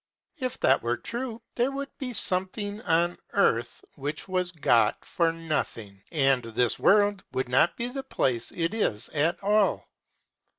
If that were true, there would be something on earth which was got for nothing, and this world would not be the place it is at all.